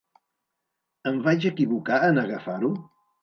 Em vaig equivocar en agafar-ho?